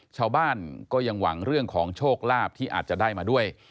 ชาวบ้านก็ยังหวังเรื่องของโชคลาภที่อาจจะได้มาด้วย